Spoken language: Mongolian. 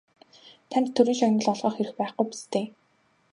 Танд Төрийн шагнал олгох эрх байхгүй биз дээ?